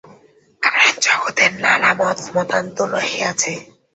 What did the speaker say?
কারণ, জগতে নানা মত-মতান্তর রহিয়াছে।